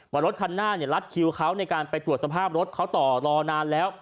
รถคันหน้ารัดคิวเขาในการไปตรวจสภาพรถเขาต่อรอนานแล้ว